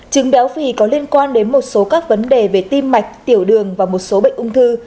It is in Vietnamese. chứng béo phì có liên quan đến một số các vấn đề về tim mạch tiểu đường và một số bệnh ung thư